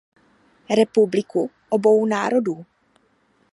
Republiku obou národů.